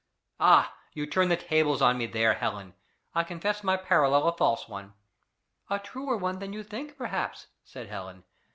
"Ah! you turn the tables on me there, Helen! I confess my parallel a false one." "A truer one than you think, perhaps," said Helen.